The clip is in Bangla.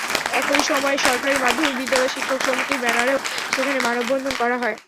একই সময় সরকারি মাধ্যমিক বিদ্যালয়ের শিক্ষক সমিতির ব্যানারেও সেখানে মানববন্ধন করা হয়।